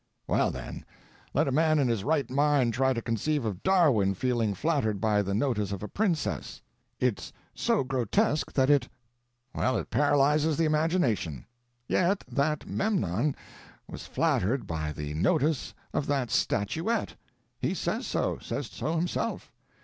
"Well, then, let a man in his right mind try to conceive of Darwin feeling flattered by the notice of a princess. It's so grotesque that it—well, it paralyzes the imagination. Yet that Memnon was flattered by the notice of that statuette; he says so—says so himself.